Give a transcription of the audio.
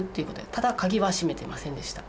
ただ、鍵は閉めてませんでした。